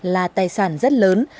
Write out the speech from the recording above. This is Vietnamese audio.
là tài sản rất lớn